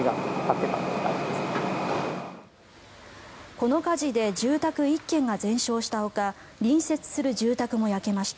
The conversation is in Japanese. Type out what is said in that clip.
この火事で住宅１軒が全焼したほか隣接する住宅も焼けました。